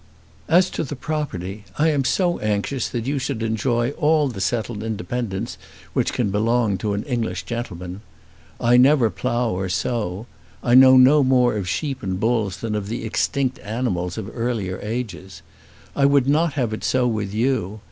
"As to the property. I am so anxious that you should enjoy all the settled independence which can belong to an English gentleman. I never plough or sow. I know no more of sheep and bulls than of the extinct animals of earlier ages. I would not have it so with you.